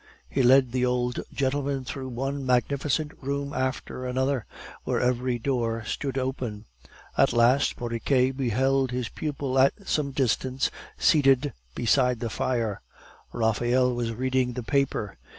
He led the old gentleman through one magnificent room after another, where every door stood open. At last Porriquet beheld his pupil at some distance seated beside the fire. Raphael was reading the paper.